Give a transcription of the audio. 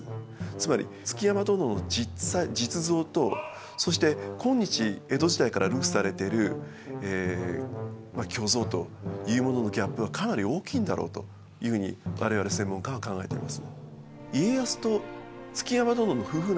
つまり築山殿の実像とそして今日江戸時代から流布されてるまあ虚像というもののギャップはかなり大きいんだろうというふうに我々専門家は考えています。